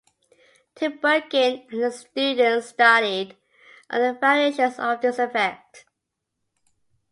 Tinbergen and his students studied other variations of this effect.